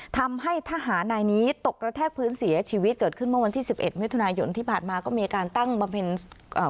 ทำให้ทหารนายนี้ตกกระแทกพื้นเสียชีวิตเกิดขึ้นเมื่อวันที่สิบเอ็ดมิถุนายนที่ผ่านมาก็มีการตั้งบำเพ็ญอ่า